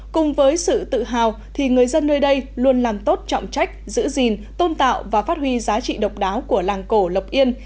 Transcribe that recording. cùng với sự tự hào thì người dân nơi đây luôn làm tốt trọng trách giữ gìn tôn tạo và phát huy giá trị độc đáo của làng cổ lộc yên